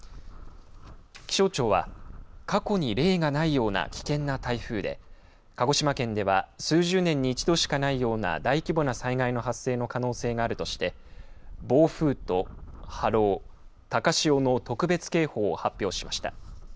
気象庁は過去に例がないような危険な台風で鹿児島県では数十年に一度しかないような大規模な災害の発生の可能性があるとして暴風と波浪、高潮の特別警報を発表しました。